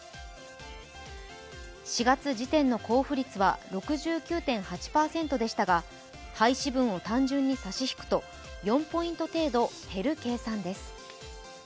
４月時点の交付率は６９．８％でしたが廃止分を単純に差し引くと４ポイント程度減る計算です。